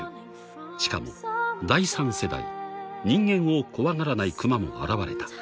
［しかも第３世代人間を怖がらないクマも現れた］